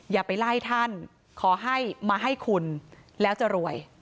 อย่าไปไล่ท่านขอให้มาให้คุณแล้วจะรวย